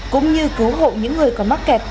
cũng như cứu hộ những người còn mắc kẹt